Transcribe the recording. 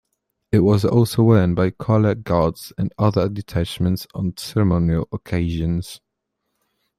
It was also worn by colour guards and other detachments on ceremonial occasions.